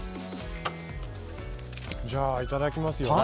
じゃあ、いただきますよ。